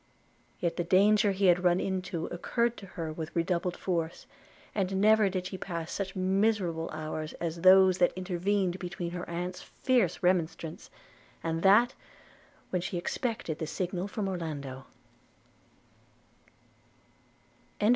Yet the danger he had run into recurred to her with redoubled force; and never did she pass such miserable hours as those that intervened between her aunt's fierce remonstrance, and that when she expected the signal from Orlando.